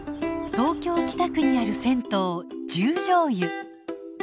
東京・北区にある銭湯十條湯。